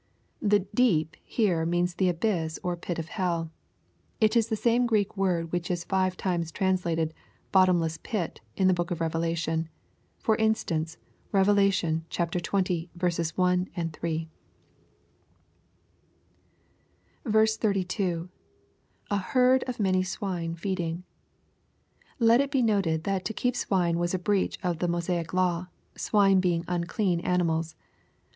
] The " deep" here means the abyss or pit of hell It is the same Greek word which is five times translated " bottomless pit^" in the book of Revelation. For instance, Rev. XX. 1, 3. 32. — [An herd ofrnany swine feeding.] Let it be noted that to keep swine was a breach of the Mosaic law, swine being unclean ani mals.